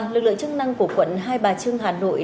lực lượng chức năng của quận hai bà trưng hà nội